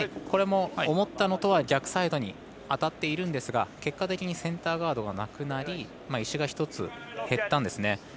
これも思ったのとは逆サイドに当たっているんですが結果的にセンターガードがなくなり石が１つなくなったんですね。